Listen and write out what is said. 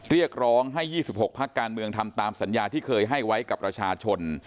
เรียกร้องให้๒๖พักการเมืองทำตามสัญญาที่เคยให้ไว้กับประชาชน